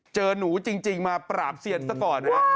เจอหนูจริงมาปราบเซียนซะก่อนนะ